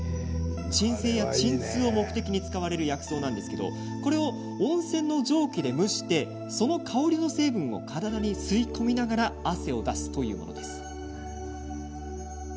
鎮静や鎮痛を目的に使われる薬草を温泉の蒸気で蒸してその香りの成分を体に吸い込みながら汗を出すというものです。